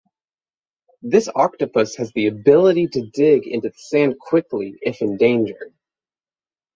This octopus has the ability to dig into the sand quickly if in danger.